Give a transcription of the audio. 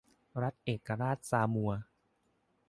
รัฐเอกราชซามัว